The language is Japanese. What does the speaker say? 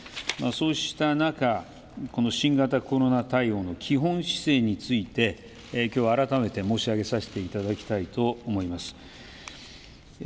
そうした中、新型コロナ対応の基本姿勢についてきょう改めて申し入れさせていただきたいと思います。